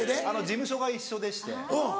事務所が一緒でして。